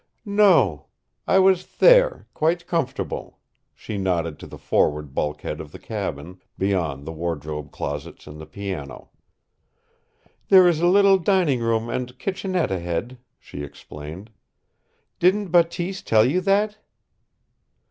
"No. I was there quite comfortable." She nodded to the forward bulkhead of the cabin, beyond the wardrobe closets and the piano. "There is a little dining room and kitchenette ahead," she explained. "Didn't Bateese tell you that?"